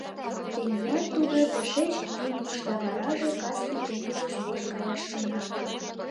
Теният тудо тышеч Юлыш да вараже Каспий теҥызыш вошт каяш шона...